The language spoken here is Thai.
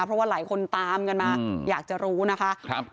เพราะว่าหลายคนตามกันมาอยากจะรู้นะคะ